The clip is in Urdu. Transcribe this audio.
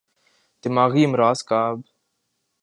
دماغی امراض کا ب